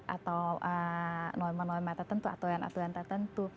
atau norma norma tertentu aturan aturan tertentu